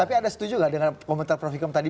tapi ada setuju gak dengan komentar prof vikam tadi